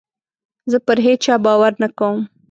زه پر هېچا باور نه کوم.